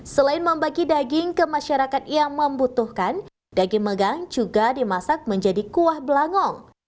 selain membagi daging ke masyarakat yang membutuhkan daging megang juga dimasak menjadi kuah belangong